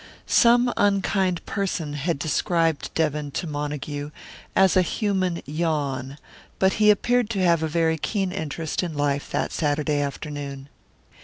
Some unkind person had described Devon to Montague as "a human yawn"; but he appeared to have a very keen interest in life that Saturday afternoon.